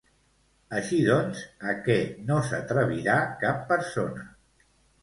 Així doncs, a què no s'atrevirà cap persona?